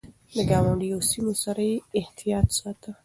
د ګاونډيو سيمو سره يې احتياط ساته.